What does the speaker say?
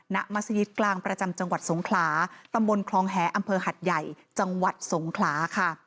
มัศยิตกลางประจำจังหวัดสงขลาตำบลคลองแหอำเภอหัดใหญ่จังหวัดสงขลาค่ะ